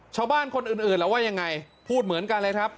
ชาวบ้านคนอื่นแล้วว่ายังไงพูดเหมือนกันเลยครับ